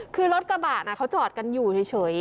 คือรถกระบะเขาจอดกันอยู่เฉย